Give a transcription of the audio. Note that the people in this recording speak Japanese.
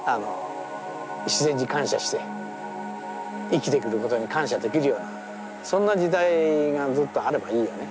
自然に感謝して生きてくことに感謝できるようなそんな時代がずっとあればいいよね。